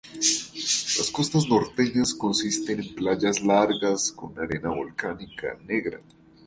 Las costas norteñas consisten en playas largas con arena volcánica negra.